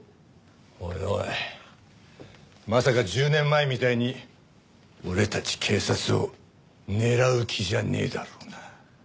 おいおいまさか１０年前みたいに俺たち警察を狙う気じゃねえだろうな？